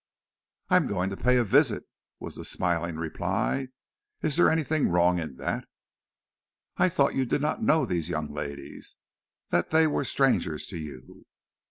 "I am going to pay a visit," was the smiling reply. "Is there anything wrong in that?" "I thought you did not know these young ladies that they were strangers to you?"